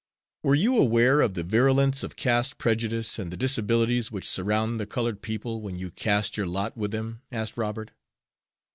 "Were you aware of the virulence of caste prejudice and the disabilities which surround the colored people when you cast your lot with them?" asked Robert.